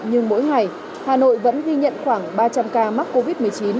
nhưng mỗi ngày hà nội vẫn ghi nhận khoảng ba trăm linh ca mắc covid một mươi chín